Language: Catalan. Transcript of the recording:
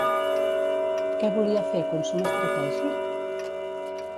Què volia fer "Consum estratègic"?